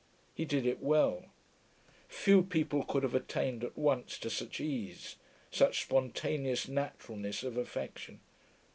He did it well; few people could have attained at once to such ease, such spontaneous naturalness of affection.